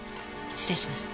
失礼します。